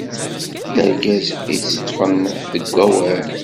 D argaz iteṭṭfen deg awal.